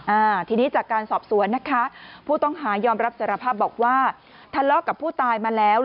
อ่าทีนี้จากการสอบสวนนะคะผู้ต้องหายอมรับสารภาพบอกว่าทะเลาะกับผู้ตายมาแล้ว